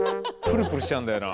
プルプルしちゃうんだよな。